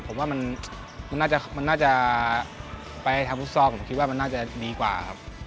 ผมว่ามันน่าจะไปทางฟุตซอลผมคิดว่ามันน่าจะดีกว่าครับ